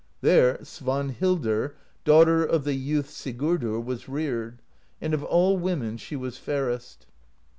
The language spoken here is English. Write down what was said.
There Svanhildr, daughter of the youth Sig urdr, was reared, and of all women she was fairest.